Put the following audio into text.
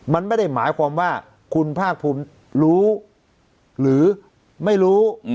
มันไม่ได้หมายความว่าคุณภาคภูมิรู้หรือไม่รู้